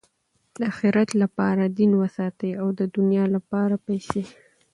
د آخرت له پاره دین وساتئ! او د دؤنیا له پاره پېسې.